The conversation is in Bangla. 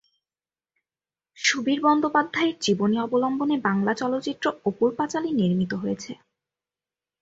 সুবীর বন্দ্যোপাধ্যায়ের জীবনী অবলম্বনে বাংলা চলচ্চিত্র "অপুর পাঁচালী" নির্মিত হয়েছে।